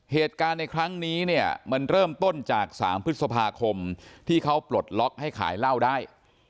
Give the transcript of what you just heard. เหตุการณ์ในครั้งนี้เนี่ยมันเริ่มต้นจาก๓พฤษภาคมที่เขาปลดล็อกให้ขายเหล้าได้